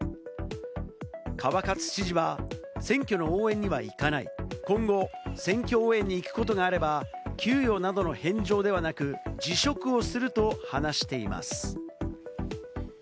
川勝知事は選挙の応援には行かない、今後、選挙応援に行くことがあれば、給与などの返上ではなく、辞職をすると話しています。